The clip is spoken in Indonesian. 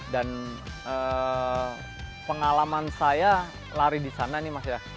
dan pengalaman saya lari di sana nih mas ya